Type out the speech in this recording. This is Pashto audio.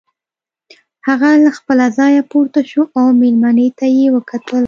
هغه له خپله ځايه پورته شو او مېلمنې ته يې وکتل.